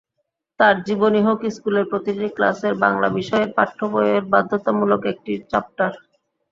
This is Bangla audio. তাঁর জীবনী হোক স্কুলের প্রতিটি ক্লাসের বাংলা বিষয়ের পাঠ্যবইয়ের বাধ্যতামূলক একটি চ্যাপটার।